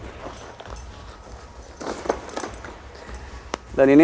nggak kebanyakan bro